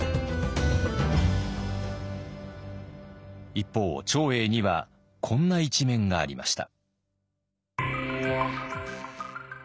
一方長英にはこんな一面がありました。